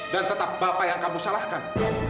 dan tetap bapak yang kamu salahkan